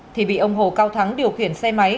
thì bị ông hồ cao thắng điều khiển xe máy